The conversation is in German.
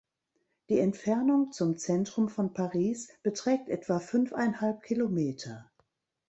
Die Entfernung zum Zentrum von Paris beträgt etwa fünfeinhalb Kilometer.